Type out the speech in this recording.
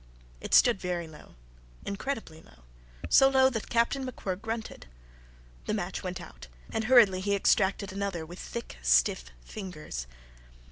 It stood very low incredibly low, so low that Captain MacWhirr grunted. The match went out, and hurriedly he extracted another, with thick, stiff fingers.